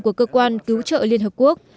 của cơ quan cứu trợ liên hợp quốc